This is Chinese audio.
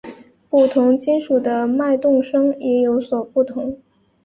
不同金属的脉动声也有所不同。